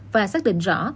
và xác định rõ